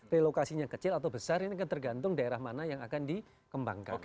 relokasinya kecil atau besar ini kan tergantung daerah mana yang akan dikembangkan